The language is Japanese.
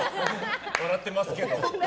笑ってますけど。